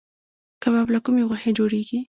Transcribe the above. کباب له کومې غوښې جوړیږي؟